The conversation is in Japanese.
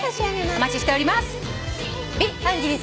お待ちしております。